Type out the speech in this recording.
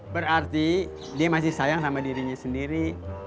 berarti dia masih sayang sama dirinya sendiri